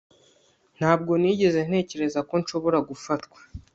Ntabwo nigeze ntekereza ko nshobora gufatwa